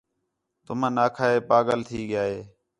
تُمن آکھا ہِے، ہِے پاڳل تھی ڳِیا ہِے